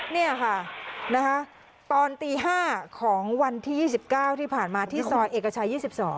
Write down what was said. เนี่ยค่ะนะคะตอนตีห้าของวันที่ยี่สิบเก้าที่ผ่านมาที่ซอยเอกชัยยี่สิบสอง